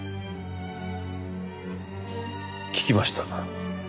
聞きました。